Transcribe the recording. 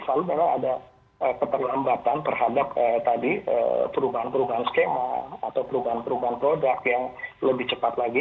selalu memang ada keterlambatan terhadap tadi perubahan perubahan skema atau perubahan perubahan produk yang lebih cepat lagi